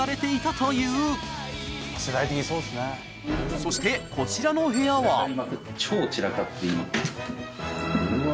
そしてこちらの部屋はうわ